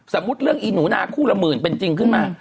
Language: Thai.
สมมุติเรื่องอีหนูนาคู่ละหมื่นเป็นจริงขึ้นมา